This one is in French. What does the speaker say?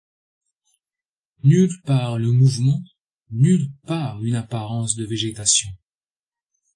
Nulle part le mouvement, nulle part une apparence de végétation.